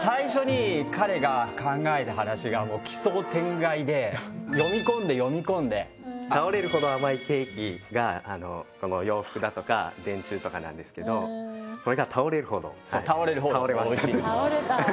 最初に読み込んで読み込んで倒れるほど甘いケーキがこの洋服だとか電柱とかなんですけどそれが倒れるほど倒れました